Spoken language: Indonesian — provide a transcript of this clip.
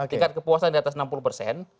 tingkat kepuasan di atas enam puluh persen